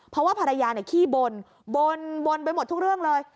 เพราะว่าภรรยาขี้บนไปหมดทุกเรื่องเลย